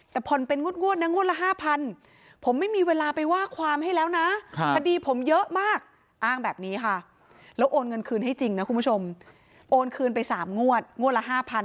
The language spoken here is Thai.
แบบนี้ค่ะแล้วโอนเงินคืนให้จริงนะคุณผู้ชมโอนคืนไป๓งวดงวดละ๕๐๐๐